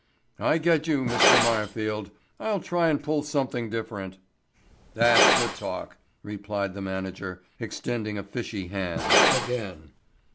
"I get you, Mr. Meyerfield. I'll try and pull something different." "That's the talk," replied the manager, extending a fishy hand again.